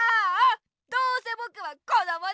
どうせぼくはこどもですよ！